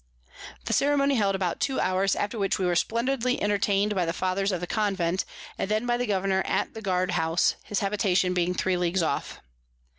The Ceremony held about two hours, after which we were splendidly entertain'd by the Fathers of the Convent, and then by the Governour at the Guard House, his Habitation being three Leagues off.